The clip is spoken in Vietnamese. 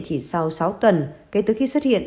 chỉ sau sáu tuần kể từ khi xuất hiện